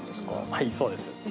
はい、そうです。